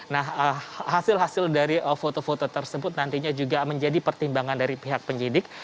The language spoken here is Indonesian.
nah hasil hasil dari foto foto tersebut nantinya juga menjadi pertimbangan dari pihak penyidik